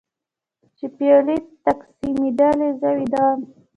چې پیالې تقسیمېدلې زه ویده وم.